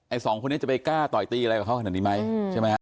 ไอ้สองคนนี้จะไปกล้าต่อยตีอะไรกับเขาขนาดนี้ไหม